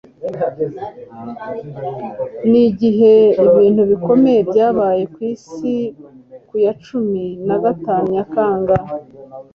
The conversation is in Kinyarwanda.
Ni ibihe bintu bikomeye byabaye ku isi ku ya cumi nagatatu Nyakanga